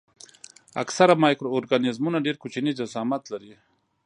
اکثره مایکرو ارګانیزمونه ډېر کوچني جسامت لري.